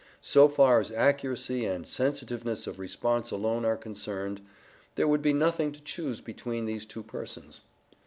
So far as accuracy and sensitiveness of response alone are concerned, there would be nothing to choose between these two persons.